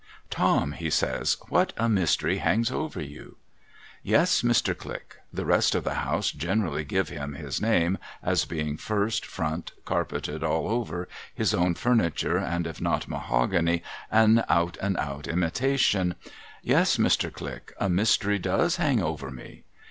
' Tom,' he says, ' what a mystery hangs over you !'' Yes, Mr. Click '— the rest of the house generally give him his name, as being first, front, carpeted all over, his own furniture, and if not mahogany, an out and out imitation —' yes, Mr. Click, a mystery does hang over me.'